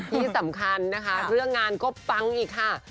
ที่สำคัญนะคะเรื่องงานก็ปังอีกค่ะ